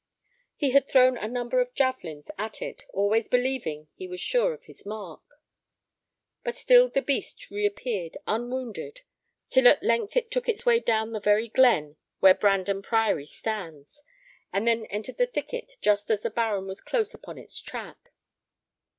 He had thrown a number of javelins at it, always believing he was sure of his mark; but still the beast reappeared unwounded, till at length it took its way down the very glen where Brandon Priory stands, and then entered the thicket, just as the baron was close upon its track.